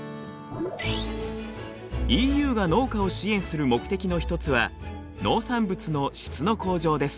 ＥＵが農家を支援する目的の一つは農産物の質の向上です。